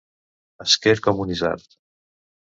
Esquerp com un isard.